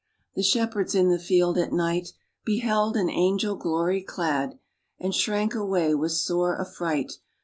The shepherds in the field at night Beheld an angel glory clad, And shrank away with sore affright.